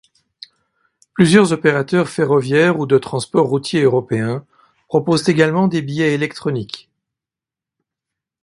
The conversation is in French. Plusieurs opérateurs ferroviaires ou de transports routiers européens proposent également des billets électroniques.